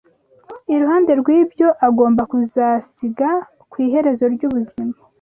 Iruhande rw’ibyo agomba kuzasiga ku iherezo ry’ubuzima